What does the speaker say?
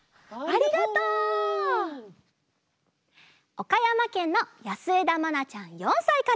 おかやまけんのやすえだまなちゃん４さいから。